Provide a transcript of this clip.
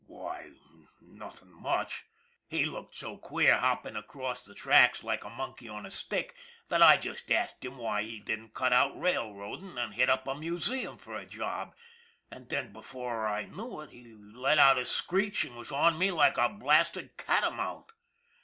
" Why, nothing much. He looked so queer hopping across the tracks like a monkey on a stick that I just asked him why he didn't cut out railroading and hit up a museum for a job, and then before I knew it he let out a screech and was on me like a blasted cata mount."